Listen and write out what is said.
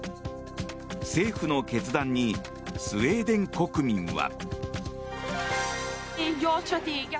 政府の決断にスウェーデン国民は。